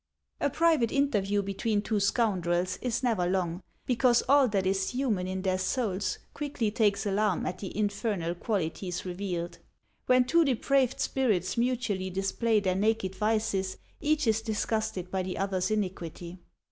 A private interview between two scoundrels is never long, because all that is human in their souls quickly takes alarm at the infernal qualities revealed. When two de praved spirits mutually display their naked vices, each is disgusted by the other's iniquity.